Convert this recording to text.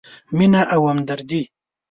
مینه او همدردي: